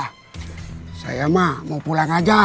kalau fakta saya tak sama tidak nyalakan